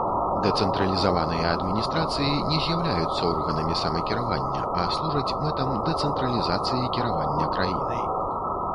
Дэцэнтралізаваныя адміністрацыі не з'яўляюцца органамі самакіравання, а служаць мэтам дэцэнтралізацыі кіравання краінай.